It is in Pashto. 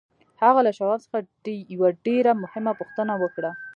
هغه له شواب څخه یوه ډېره مهمه پوښتنه وکړه